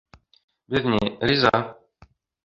— Беҙ ни риза.